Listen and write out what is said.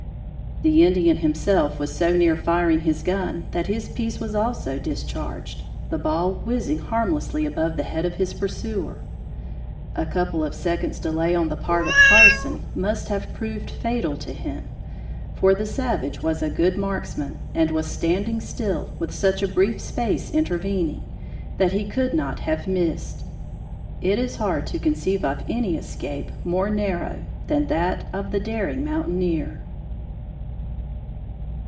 The Indian himself was so near firing his gun, that his piece was also discharged, the ball whizzing harmlessly above the head of his pursuer. A couple of seconds delay on the part of Carson must have proved fatal to him, for the savage was a good marksman, and was standing still, with such a brief space intervening, that he could not have missed. It is hard to conceive of any escape more narrow than that of the daring mountaineer.